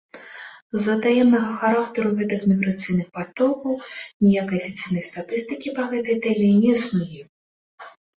З-за таемнага характару гэтых міграцыйных патокаў ніякай афіцыйнай статыстыкі па гэтай тэме не існуе.